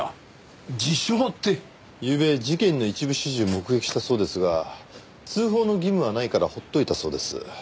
ゆうべ事件の一部始終を目撃したそうですが通報の義務はないから放っといたそうです。